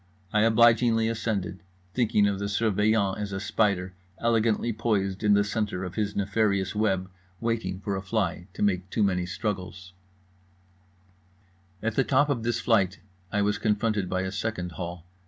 I obligingly ascended; thinking of the Surveillant as a spider, elegantly poised in the centre of his nefarious web, waiting for a fly to make too many struggles…. At the top of this flight I was confronted by a second hall.